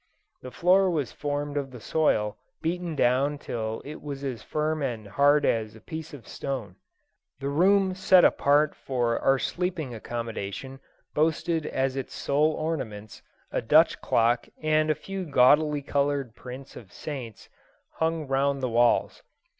The floor was formed of the soil, beaten down till it was as firm and hard as a piece of stone. The room set apart for our sleeping accommodation boasted as its sole ornaments a Dutch clock and a few gaudily coloured prints of saints hung round the walls.